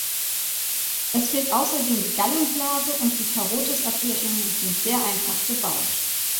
Es fehlt außerdem die Gallenblase und die Karotis-Arterien sind sehr einfach gebaut.